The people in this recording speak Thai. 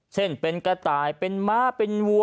เช่นเป็นกระต่ายเป็นม้าเป็นวัว